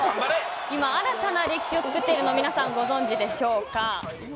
今新たな歴史を作っているの皆さんご存じでしょうか。